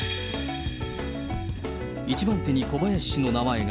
一番手に小林氏の名前が。